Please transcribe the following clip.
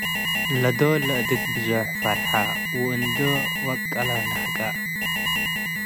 ለዶል ለአድግ ብዞሕ ፈርሐ፡ ወእንዶ ወቀ'ለ ነሀቀ።